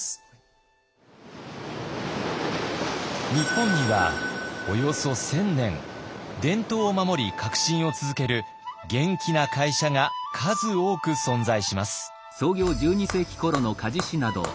日本にはおよそ１，０００年伝統を守り革新を続ける元気な会社が数多く存在します。